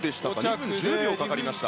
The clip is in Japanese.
２分１０秒かかりましたね。